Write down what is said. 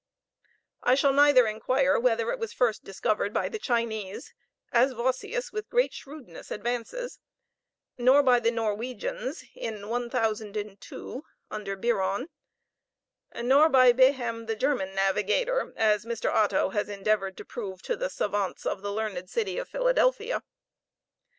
I shall neither inquire whether it was first discovered by the Chinese, as Vossius with great shrewdness advances; nor by the Norwegians in 1002, under Biron; nor be Behem the German navigator, as Mr. Otto has endeavored to prove to the savants of the learned city of Philadelphia.